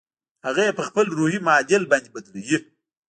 هغه يې په خپل روحي معادل باندې بدلوي.